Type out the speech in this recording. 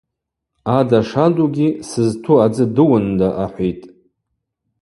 Ада шадугьи — Сызту адзы дыуында, — ахӏвитӏ.